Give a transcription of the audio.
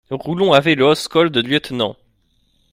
Roulon avait le hausse-col de lieutenant.